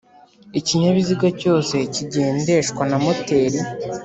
Ikinyabiziga cyose kigendeshwa na moteri